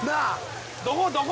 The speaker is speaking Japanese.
どこどこ？